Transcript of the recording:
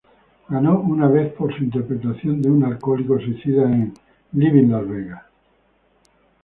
Ganó una vez por su interpretación de un alcohólico suicida en "Leaving Las Vegas".